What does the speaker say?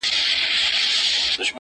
پوهېدل چي د منلو هر گز نه دي٫